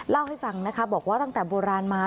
เล่าให้ฟังนะคะบอกว่าตั้งแต่โบราณมา